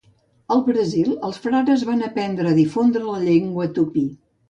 Al Brasil, els frares van aprendre i difondre la llengua tupí.